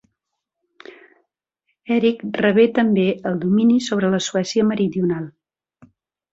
Eric rebé també el domini sobre la Suècia meridional.